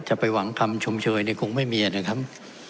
จะไปหวังคำชมเชยเนี่ยคงไม่มีนะครับ